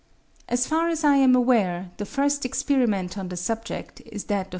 As far as I am aware, the first experiment on the subject is that of M.